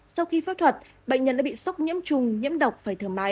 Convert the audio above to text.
sau khi phẫu thuật bệnh nhân đã bị sốc nhiễm trùng nhiễm độc phải thở máy